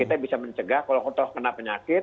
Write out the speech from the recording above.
kita bisa mencegah kalau kena penyakit